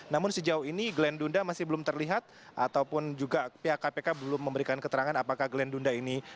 namun sejauh ini glenn dunda masih belum terlihat ataupun juga pihak kpk belum memberikan keterangan apakah glenn dunda ini